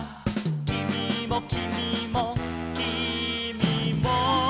「きみもきみもきみも」